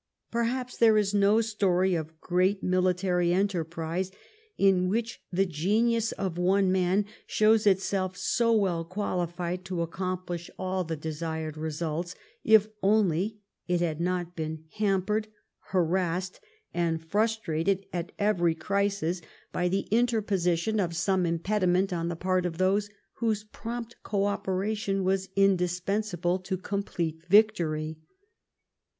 Perhaps there is no story of great military enterprise in which the genius of one man shows itself so well qualified to accomplish all the desired results, if only it had not been hampered, harassed, and frustrated at every crisis by the interposition of some impediment on the part of those whose prompt co operation was indispensable to complete victory.